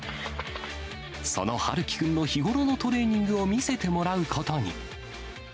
その陽希君の日頃のトレーニングを見せてもらうことに。